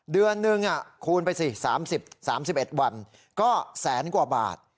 เดือนหนึ่งอ่ะคูณไปสิสามสิบสามสิบเอ็ดวันก็แสนกว่าบาท